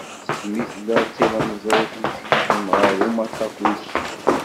Segmi tella d tilemẓit i tekcem ɣer umaṭtaf wis sin.